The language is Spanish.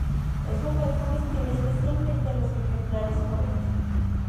Es un buen comestible especialmente los ejemplares jóvenes.